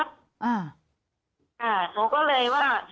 ค่ะน้องก็เลยว่า